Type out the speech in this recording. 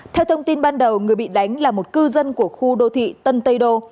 theo thông tin ban đầu người bị đánh là một cư dân của khu đô thị tân tây đô